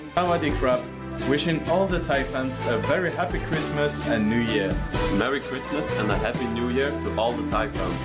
ขอให้มีความสุขมากมากมากเจ็บมากจนทุกครั้ง